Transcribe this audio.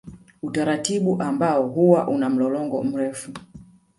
Utaratibu ambao huwa una mlolongo mrefu